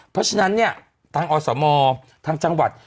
เพราะฉะนั้นเนี่ยทางอสมทางจังหวัด